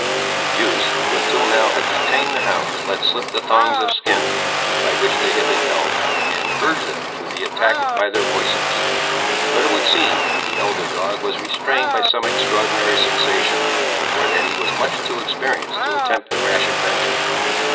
The youths who, until now, had detained the hounds, let slip the thongs of skin, by which they had been held, and urged them to the attack by their voices. But, it would seem, that the elder dog was restrained by some extraordinary sensation, or that he was much too experienced to attempt the rash adventure.